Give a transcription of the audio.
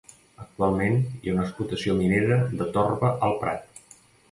Actualment, hi ha una explotació minera de torba al prat.